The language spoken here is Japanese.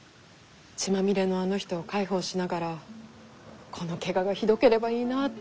血まみれのあの人を介抱しながらこのけががひどければいいなって思ってました。